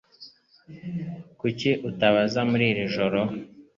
Kuki utaza muri iri joro